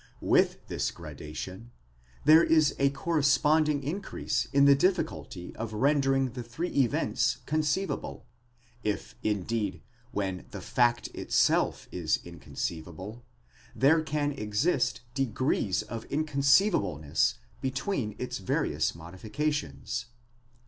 * With this gradation, there is a corre sponding increase in the difficulty of rendering the three events conceivable ; if, indeed, when the fact itself is inconceivable, there'can exist degrees of inconceivableness between its various modifications.